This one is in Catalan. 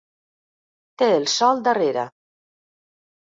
Té el sol darrera.